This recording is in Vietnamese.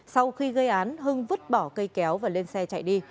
sau khi gây án hưng vứt bỏ cây kéo và lên xe chạy đi